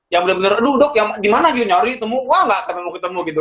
yang bener bener aduh dok yang dimana gitu nyari temu wah gak akan ketemu gitu kan